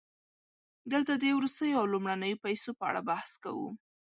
دلته د وروستیو او لومړنیو پیسو په اړه بحث کوو